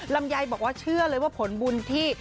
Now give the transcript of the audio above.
ลำไยบอกว่าเชื่อเลยว่าผลบุญที่